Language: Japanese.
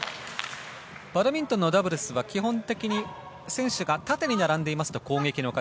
バドミントンのダブルスは基本的に選手が縦に並んでいますと攻撃の形。